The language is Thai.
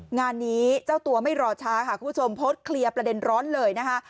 งานนี้เจ้าตัวไม่รอช้าค่ะคุณผู้ชมโพสต์เคลียร์ประเด็นร้อนเลยนะคะ